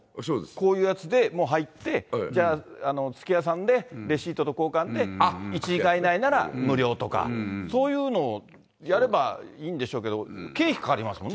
こういうやつで、もう入って、じゃあ、すき家さんでレシートと交換で、１時間以内なら無料とか、そういうのをやればいいんでしょうけど、経費かかりますもんね。